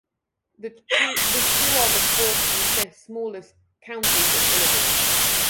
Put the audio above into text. The two are the fourth and fifth smallest counties in Illinois.